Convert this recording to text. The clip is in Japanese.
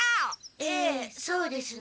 ええそうですね。